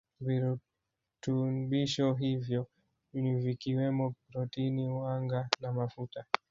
Virutunbisho hivyo ni vikiwemo protini wanga na mafuta